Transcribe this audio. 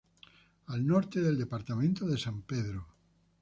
Al norte el Departamento de San Pedro.